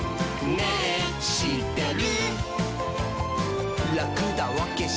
「ねぇしってる？」